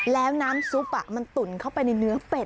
แล้วน้ำซุปมันตุ๋นเข้าไปในเนื้อเป็ด